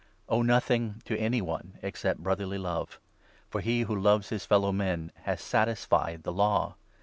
On Owe nothing to any one except brotherly love ; 8 Brotherly for he who loves his fellow men has satisfied Love. the Law.